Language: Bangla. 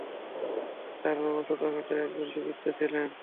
তার বাবা ছোটখাট একজন দুর্বৃত্ত ছিলেন।